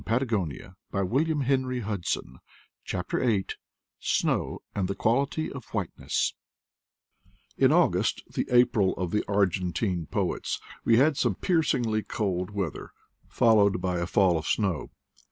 Poor Damian, and poor wife I <I CHAPTER Vm SNOW, AND THE QUALITY OF WHITENESS N August, the April of the Argentine poets, we had some piercingly cold weather, followed by a fall of snow.